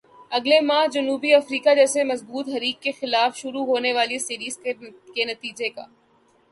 اگلے ماہ جنوبی افریقہ جیسے مضبوط حریف کے خلاف شروع ہونے والی سیریز کے نتیجے کا